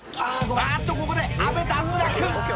あーっとここで阿部脱落！